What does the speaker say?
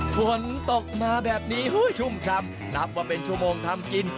ฝนตกมาแบบนี้ชุ่มช้ำนับว่าเป็นชั่วโมงทำกิน